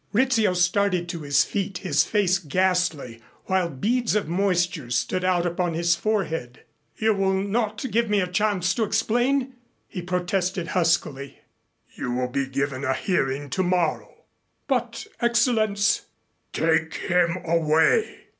Rizzio started to his feet, his face ghastly, while beads of moisture stood out upon his forehead. "You will not give me a chance to explain?" he protested huskily. "You will be given a hearing tomorrow." "But, Excellenz " "Take him away!"